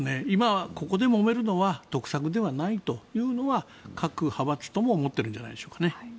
今ここでもめるのは得策ではないというのは各派閥とも思ってるんじゃないでしょうか。